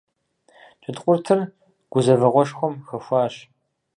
Джэдкъуртыр гузэвэгъуэшхуэм хэхуащ.